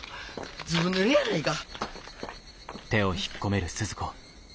ずぶぬれやないか。